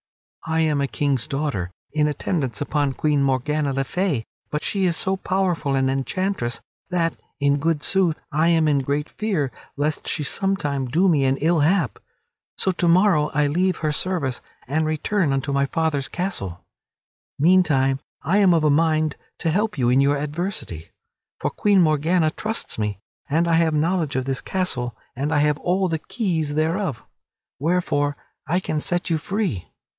I am a King's daughter in attendance upon Queen Morgana le Fay, but she is so powerful an enchantress that, in good sooth, I am in great fear lest she some time do me an ill hap. So to morrow I leave her service and return unto my father's castle. Meantime, I am of a mind to help you in your adversity. For Queen Morgana trusts me, and I have knowledge of this castle and I have all the keys thereof, wherefore I can set you free.